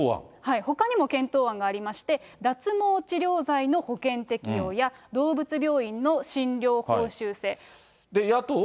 ほかにも検討案がありまして、脱毛治療剤の保険適用や動物病院の診療報酬制。